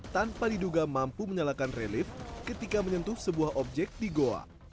tanpa diduga mampu menyalakan relif ketika menyentuh sebuah objek di goa